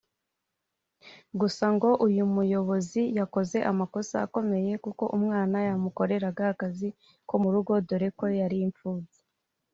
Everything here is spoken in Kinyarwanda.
Gusa ngo uyu muyobozi yakoze amakosa akomeye kuko umwana yamukoreraga akazi ko mu rugo dore ko yari impfubyi